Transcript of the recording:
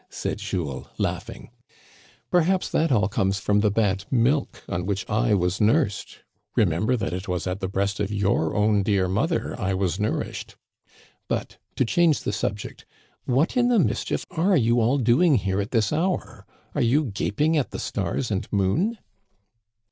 said Jules, laughing. "Perhaps Digitized by VjOOQIC I lo THE CANADIANS OF OLD. that all comes from the bad milk on which I was nursed. Remember that it was at the breast of your own dear mother I was nourished. But, to change the subject, what in the mischief are you all doing here at this hour ? Are you gaping at the stars and moon